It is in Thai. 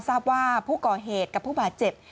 ทราบว่าผู้ก่อเหตุกับผู้บาดเจ็บ